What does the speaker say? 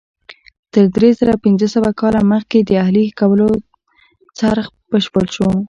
تر درې زره پنځه سوه کاله مخکې د اهلي کولو څرخ بشپړ شو.